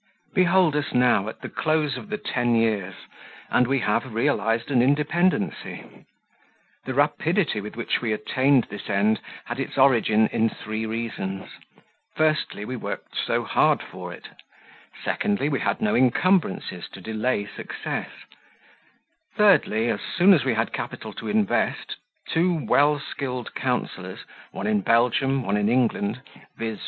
Behold us now at the close of the ten years, and we have realized an independency. The rapidity with which we attained this end had its origin in three reasons: Firstly, we worked so hard for it; secondly, we had no incumbrances to delay success; thirdly, as soon as we had capital to invest, two well skilled counsellors, one in Belgium, one in England, viz.